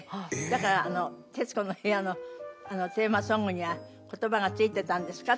だからあの『徹子の部屋』のテーマソングには言葉がついてたんですか？